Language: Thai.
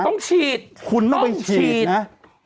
ต้องฉีดคุณต้องไปฉีดนะต้องฉีด